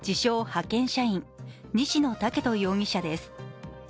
派遣社員・西野豪人容疑者です